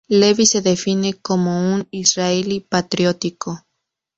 Levy se define como un "israelí patriótico".